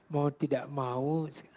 mau tidak mau